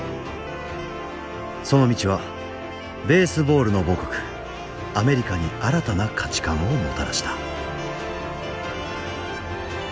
その道はベースボールの母国アメリカに新たな価値観をもたらした。